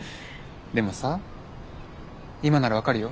でもさ今なら分かるよ。